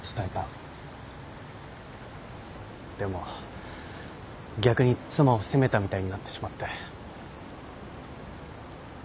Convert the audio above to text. でも逆に妻を責めたみたいになってしまって。